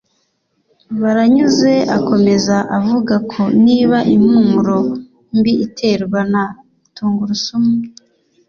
Baranyuze akomeza avuga ko niba impumuro mbi iterwa na tungurusumu